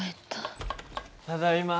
ただいま。